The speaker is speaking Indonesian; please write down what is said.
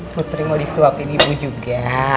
putri mau disuapin ibu juga